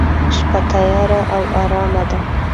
شپه تیاره او ارامه ده.